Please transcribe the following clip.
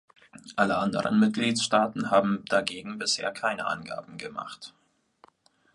Alle anderen Mitgliedsstaaten haben dagegen bisher keine Angaben gemacht.